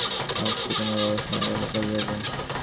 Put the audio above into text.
আজ কি তোমার বাবার সঙ্গে দেখা করা যাবে?